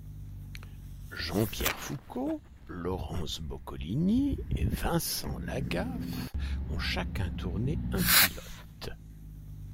Jean-Pierre Foucault, Laurence Boccolini et Vincent Lagaf ont chacun tourné un pilote.